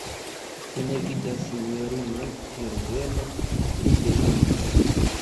Mi ne vidas sinjorinon Herbeno, li demandis.